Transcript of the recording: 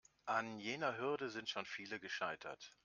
An jener Hürde sind schon viele gescheitert.